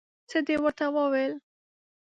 څه دې ورته وویل؟